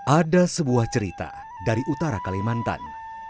ada sebuah cerita dari utara kalimantan